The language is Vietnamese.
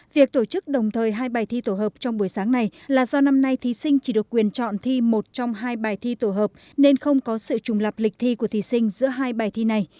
việc tổ chức đồng thời hai bài thi tổ hợp trong buổi sáng này là do năm nay thí sinh chỉ được quyền chọn thi một trong hai bài thi tổ hợp nên không có sự trùng lập lịch thi của thí sinh giữa hai bài thi này